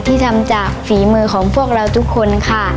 ที่ทำจากฝีมือของพวกเราทุกคนค่ะ